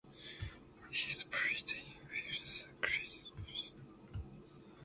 He is buried in Fiacla graveyard.